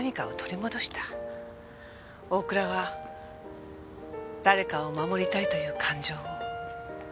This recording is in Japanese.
大倉は誰かを守りたいという感情を。